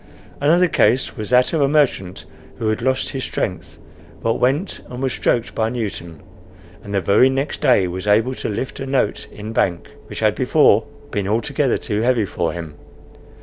Another case was that of a merchant who had lost his strength, but went and was stroked by Newton, and the very next day was able to lift a note in bank, which had before been altogether too heavy for him.